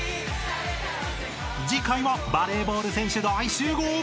［次回はバレーボール選手大集合］